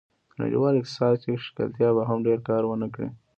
د نړیوال اقتصاد کې ښکېلتیا به هم ډېر کار و نه کړي.